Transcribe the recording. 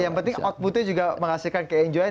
yang penting outputnya juga menghasilkan ke enjoy